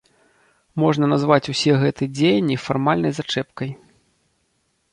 Можна называць усе гэтыя дзеянні фармальнай зачэпкай.